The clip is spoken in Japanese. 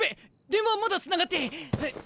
電話まだつながって。